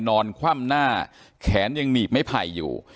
นอนคว่ำหน้าแขนยังหนีบไม้ไผ่อยู่